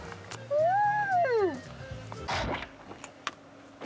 うん！